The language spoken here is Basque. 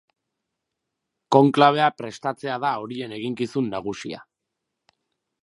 Konklabea prestatzea da horien eginkizun nagusia.